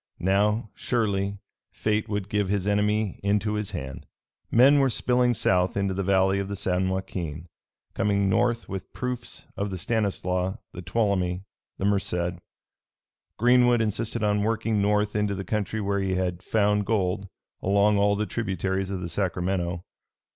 Now, surely, fate would give his enemy into his hand. Men were spilling south into the valley of the San Joaquin, coming north with proofs of the Stanislaus, the Tuolumne, the Merced. Greenwood insisted on working north into the country where he had found gold, along all the tributaries of the Sacramento.